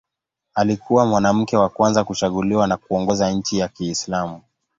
Alikuwa mwanamke wa kwanza kuchaguliwa na kuongoza nchi ya Kiislamu.